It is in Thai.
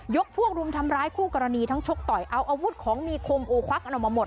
พวกรุมทำร้ายคู่กรณีทั้งชกต่อยเอาอาวุธของมีคมโอ้ควักกันออกมาหมด